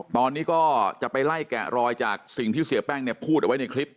ตอนนี้ก็จะไปไล่แกะรอยจากสิ่งที่เสียแป้งเนี่ยพูดเอาไว้ในคลิป